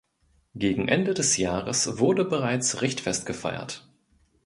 Gegen Ende des Jahres wurde bereits Richtfest gefeiert.